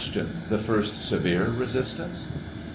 The first severe resistance